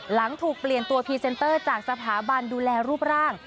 หลังถูกเปลี่ยนตัวพรีเซนเตอร์จากสถาบันดูแลรูปร่าง